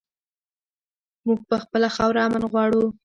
مونږ پر خپله خاوره امن غواړو